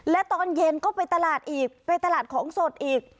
และตอนเย็นก็ไปตลาดอีกไปตลาดของสดอีก